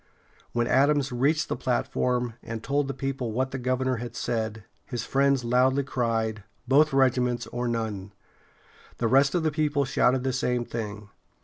] When Adams reached the platform, and told the people what the governor had said, his friends loudly cried: "Both regiments or none!" The rest of the people shouted the same thing.